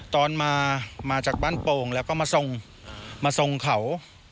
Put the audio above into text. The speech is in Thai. ตอนมามาจากบ้านโป่งแล้วก็มาส่งมาทรงเขา